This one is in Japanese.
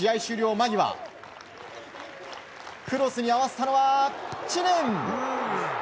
間際クロスに合わせたのは知念。